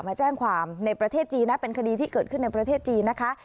มาแจ้งความในประเทศจีนนะเป็นคดีที่เกิดขึ้นในประเทศจีนนะคะ